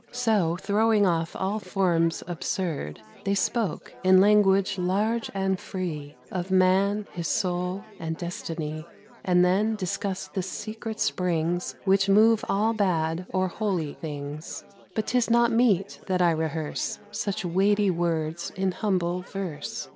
So, throwing off all forms absurd, They spoke, in language large and free, Of man, his soul and destiny; And then discussed the secret springs Which move all bad or holy things. But 'tis not meet that I rehearse Such weighty words in humble verse.